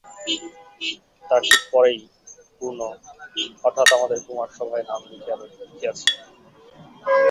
তার ঠিক পরেই পূর্ণ হঠাৎ আমাদের কুমারসভায় নাম লিখিয়েছে।